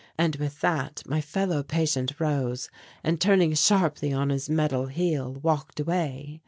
And with that my fellow patient rose and, turning sharply on his metal heel, walked away.